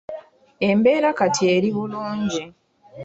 Embeera kati eri bulungi.